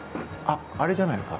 あれじゃないか？